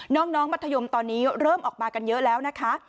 น้องมัธยมตอนนี้เริ่มออกมากันเยอะแล้วนะคะ